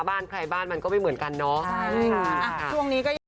บ้านใครบ้านมันก็ไม่เหมือนกันเนอะ